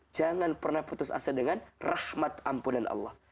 jangan pernah putus asa dengan rahmat ampunan allah